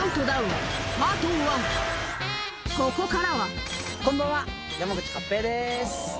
ここからはこんばんは山口勝平です。